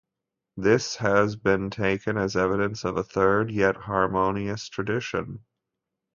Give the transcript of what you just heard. This has been taken as evidence of a third, yet harmonious tradition.